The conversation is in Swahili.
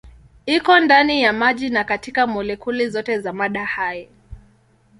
Iko ndani ya maji na katika molekuli zote za mada hai.